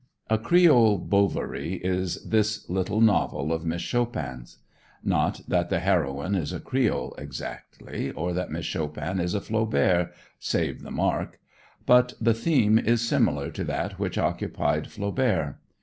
A Creole "Bovary" is this little novel of Miss Chopin's. Not that the heroine is a creole exactly, or that Miss Chopin is a Flaubert save the mark! but the theme is similar to that which occupied Flaubert.